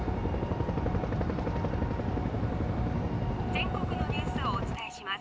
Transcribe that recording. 「全国のニュースをお伝えします。